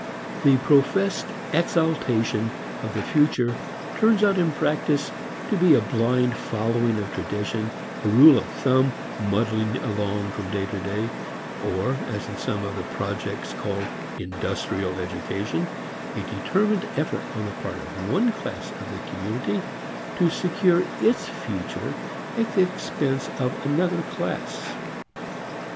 The professed exaltation of the future turns out in practice a blind following of tradition, a rule of thumb muddling along from day to day; or, as in some of the projects called industrial education, a determined effort on the part of one class of the community to secure its future at the expense of another class.